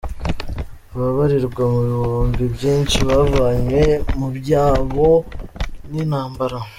Ababarirwa mu bihumbi byinshi bavanywe mu byabo n'intambara.